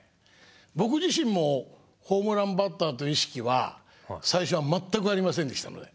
僕自身もホームランバッターという意識は最初は全くありませんでしたので。